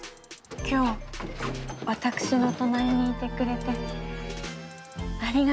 今日私の隣にいてくれてありがとう。